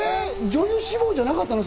女優志望じゃなかったの？